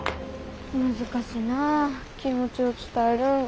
難しなあ気持ちを伝えるんは。